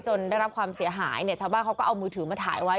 ได้รับความเสียหายเนี่ยชาวบ้านเขาก็เอามือถือมาถ่ายไว้